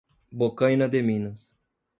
Bocaina de Minas